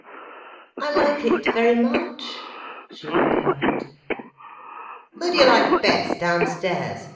"I like it very much," she replied. "Who do you like best downstairs?"